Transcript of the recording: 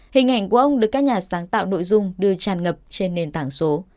hình ảnh của ông được các nhà sáng tạo nội dung đưa tràn ngập trên nền tảng số